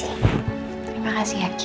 terima kasih ya ki